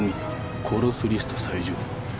殺すリスト最上位。